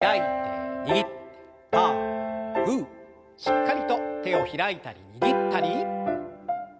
しっかりと手を開いたり握ったり。